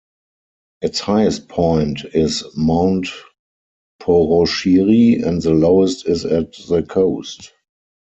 Its highest point is Mount Poroshiri, and the lowest is at the coast.